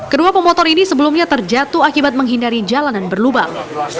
kedua pemotor ini sebelumnya terjatuh akibat menghindari jalanan berlubang